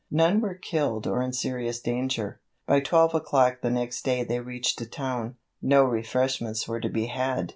None were killed or in serious danger. By 12 o'clock the next day they reached a town. No refreshments were to be had.